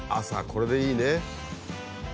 朝これでいいね。